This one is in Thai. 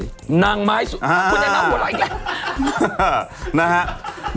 คุณแม่งหัวเราะอีกแล้ว